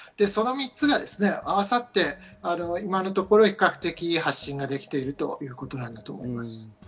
その３つが合わさって、今のところ比較的発信ができているということなんだと思います。